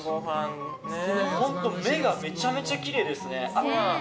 目がめちゃめちゃきれいですね。